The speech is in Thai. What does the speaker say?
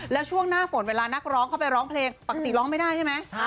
แล้วช่วงหน้าฝนเวลานักร้องเข้าไปร้องเพลงปกติร้องไม่ได้ใช่ไหม